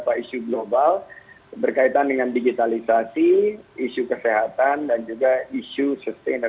b dua puluh summit ini diselenggarakan dua hari